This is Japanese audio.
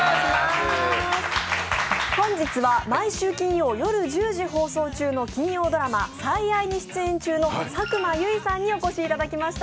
本日は毎週金曜夜１０時放送中の金曜ドラマ「最愛」に出演中の佐久間由衣さんにお越しいただきました。